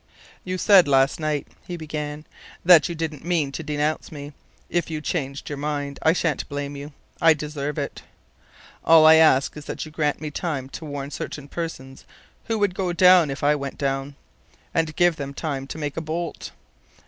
"You said last night," he began, "that you didn't mean to denounce me. If you've changed your mind, I shan't blame you; I deserve it. All I ask is that you grant me time to warn certain persons who would go down if I went down, and give them time to make a bolt.